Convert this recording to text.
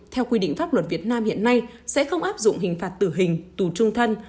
theo quy định pháp luật việt nam hiện nay sẽ không áp dụng hình phạt tử hình tù trung thân